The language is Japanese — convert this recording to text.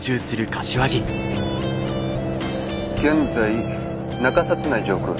現在中札内上空。